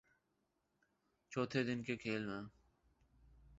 چوتھے دن کے کھیل میں